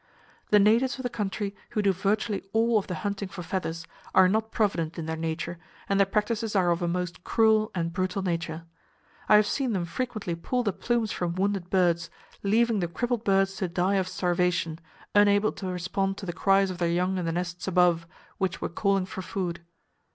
"The natives of the country, who do virtually all of the hunting for feathers, are not provident in their nature, and their practices are of a most cruel and brutal nature. I have seen them frequently pull the plumes from wounded birds, leaving the crippled birds to die of starvation, unable to respond to the cries of their young in the nests above, which were calling for food.